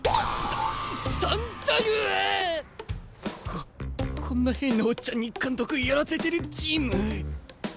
ここんな変なオッチャンに監督やらせてるチーム。